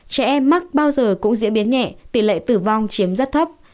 trẻ em mắc bao giờ cũng diễn biến nhẹ tỷ lệ tử vong chiếm rất thấp